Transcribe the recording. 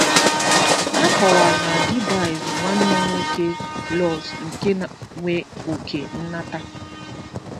It was explained that DiBiase was Brother Love's main benefactor.